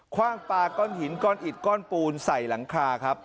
ว่างปลาก้อนหินก้อนอิดก้อนปูนใส่หลังคาครับ